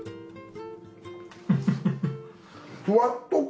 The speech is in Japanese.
ふわっと感。